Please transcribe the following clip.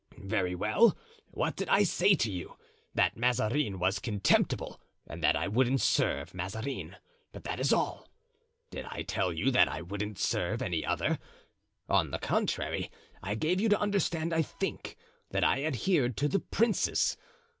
Very well what did I say to you? that Mazarin was contemptible and that I wouldn't serve Mazarin. But that is all. Did I tell you that I wouldn't serve any other? On the contrary, I gave you to understand, I think, that I adhered to the princes.